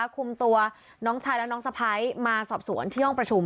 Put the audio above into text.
คุมตัวน้องชายและน้องสะพ้ายมาสอบสวนที่ห้องประชุม